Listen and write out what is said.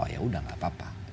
oh ya sudah tidak apa apa